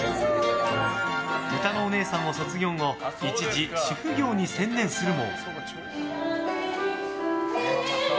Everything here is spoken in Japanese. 歌のおねえさんを卒業後一時、主婦業に専念するも。